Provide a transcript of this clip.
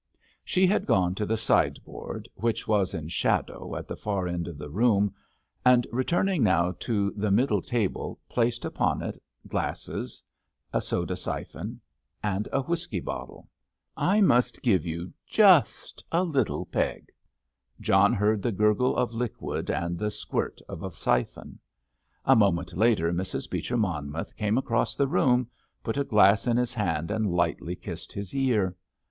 She had gone to the sideboard, which was in shadow at the far end of the room and returning now to the middle table, placed upon it glasses, a soda syphon, and a whisky bottle. "I must give you just a little peg!" John heard the gurgle of liquid, and the "squirt" of a syphon. A moment later Mrs. Beecher Monmouth came across the room, put a glass in his hand, and lightly kissed his ear.